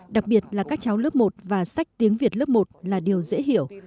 đặc biệt là các cháu lớp một và sách tiếng việt lớp một là điều dễ hiểu